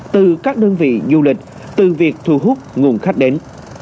từ các đơn vị du lịch từ việc thu hút nguồn khách đến